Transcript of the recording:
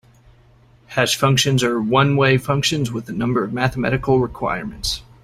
Hash functions are one-way functions with a number of mathematical requirements.